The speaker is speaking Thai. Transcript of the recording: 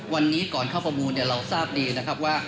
วันนี้ก่อนเข้าประมูลเราทราบดีนะครับว่า